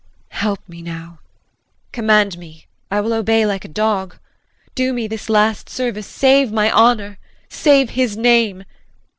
Help me now. Command me I will obey like a dog. Do me this last service save my honor. Save his name.